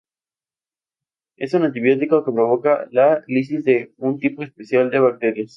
Es un antibiótico que provoca la lisis de un tipo especial de bacterias.